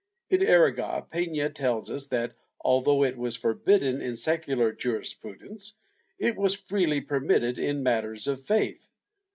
In Aragon, Pena tells us that, although it was forbidden in secular jurisprudence, it was freely permitted in matters of faith.